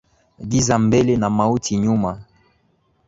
Giza mbele na mauti nyuma